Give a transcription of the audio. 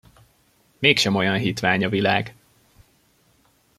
Mégsem olyan hitvány a világ!